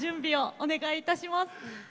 お願いいたします。